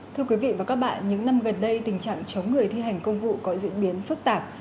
thưa quý vị và các bạn những năm gần đây tình trạng chống người thi hành công vụ có diễn biến phức tạp